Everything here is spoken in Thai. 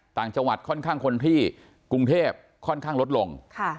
ต่างจังหวัดค่อนข้างคนที่กรุงเทพค่อนข้างลดลง